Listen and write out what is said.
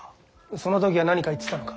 その時は何か言ってたのか？